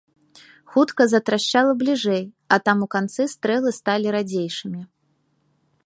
Хутка затрашчала бліжэй, а там, у канцы, стрэлы сталі радзейшымі.